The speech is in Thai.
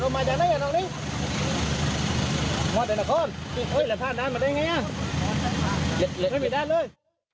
ไม่มีด้านเลย